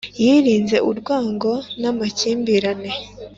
yirinze urwango n'amakimbirane,